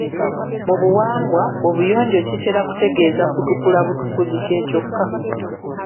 Mu buwangwa, obuyonjo kitera kutegeeza kutukula butukuzi kye kyokka.